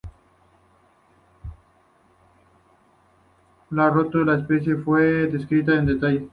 La rádula de esta especie fue descripta en detalle por Wells et al.